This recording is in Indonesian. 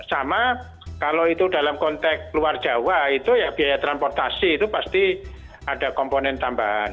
sama kalau itu dalam konteks luar jawa itu ya biaya transportasi itu pasti ada komponen tambahan